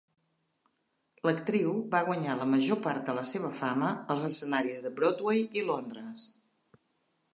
L'actriu va guanyar la major part de la seva fama als escenaris de Broadway i Londres.